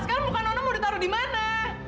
sekarang bukan orang mau ditaruh di mana